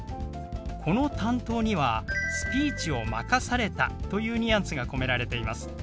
この「担当」には「スピーチを任された」というニュアンスが込められています。